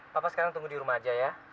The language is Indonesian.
papa sekarang tunggu di rumah aja ya